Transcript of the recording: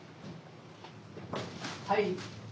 ・はい。